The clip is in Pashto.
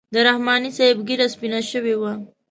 د رحماني صاحب ږیره سپینه شوې وه.